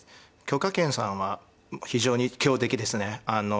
許家元さんは非常に強敵ですね。